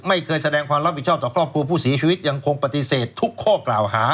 แสดงความรับผิดชอบต่อครอบครัวผู้เสียชีวิตยังคงปฏิเสธทุกข้อกล่าวหา